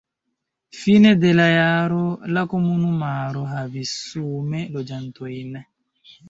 Fine de la jaro la komunumaro havis sume loĝantojn.